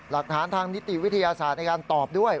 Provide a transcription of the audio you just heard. หลักฐานทางนิติวิทยาศาสตร์ในการตอบด้วย